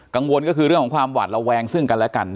กังวลก็คือเรื่องของความหวาดระแวงซึ่งกันและกัน